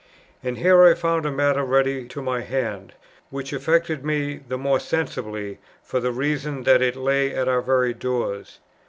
And here I found a matter ready to my hand, which affected me the more sensibly for the reason that it lay at our very doors.